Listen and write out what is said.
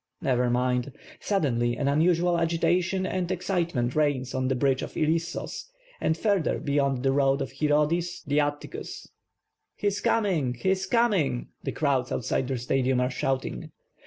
Never mind. Suddenly, an un usual agitation and excitement reigns on the bridge of Ilissos and further beyond the road of Hirodis the Atticus. "He is coming! He is coming!" The crowds outside of the Stadium are shouting.